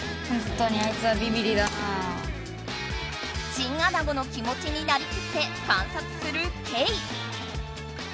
チンアナゴの気もちになりきって観察するケイ。